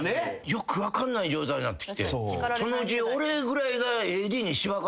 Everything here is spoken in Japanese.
よく分かんない状態になってきてそのうち。